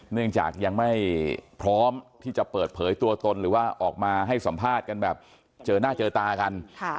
เนื่องจากยังไม่พร้อมที่จะเปิดเผยตัวตนหรือว่าออกมาให้สัมภาษณ์กันแบบเจอหน้าเจอตากัน